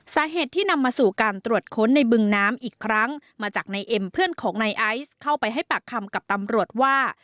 สาเหตุที่นำมาสู่การตรวจค้นในบึงน้ำอีกครั้งมาจากนายเอ็มเพื่อนของนายไอซ์เข้าไปให้ปากคำกับตำรวจว่า